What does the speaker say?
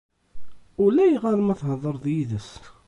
Ulayɣer ma thedreḍ yid-s.